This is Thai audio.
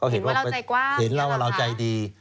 เห็นว่าเราใจกว้างเห็นว่าเราใจดี